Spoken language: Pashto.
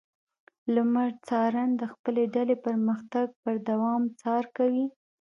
لمری څارن د خپلې ډلې پرمختګ پر دوام څار کوي.